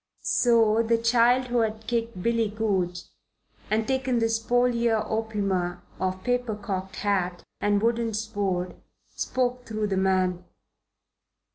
So the child who had kicked Billy Goodge and taken the spolia opima of paper cocked hat and wooden sword spoke through the man.